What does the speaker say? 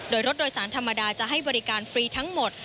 โดยรถโดยสารธรรมดาจะให้บริการฟรีทั้งหมด